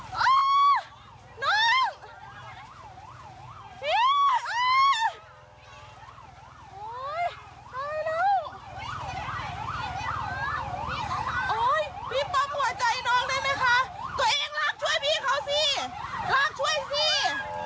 พี่ดึงเลยพี่ดึงแขนพี่หักพี่เอาผ้าจับจับแขนพี่